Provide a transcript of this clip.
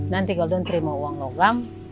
nanti kalau mereka terima uang logam